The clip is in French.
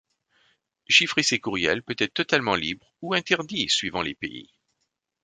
Chiffrer ses courriels peut être totalement libre ou interdit suivant les pays.